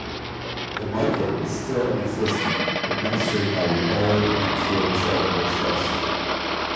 The market is still in existence, administered by the Old Enfield Charitable trust.